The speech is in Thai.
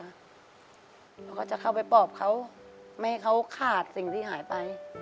หนูก็จะเข้าไปปอบเขาไม่ให้เขาขาดสิ่งที่หายไป